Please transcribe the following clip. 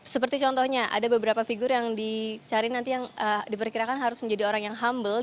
seperti contohnya ada beberapa figur yang dicari nanti yang diperkirakan harus menjadi orang yang humble